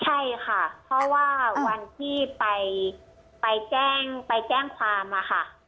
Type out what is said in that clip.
ใช่ค่ะเพราะว่าวันที่ไปแจ้งไปแจ้งความอะค่ะ